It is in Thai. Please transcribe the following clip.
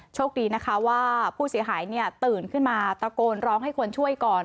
โชคดีนะคะว่าผู้เสียหายตื่นขึ้นมาตะโกนร้องให้คนช่วยก่อน